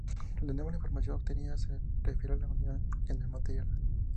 De nuevo la información obtenida se refiere a la unión en el material.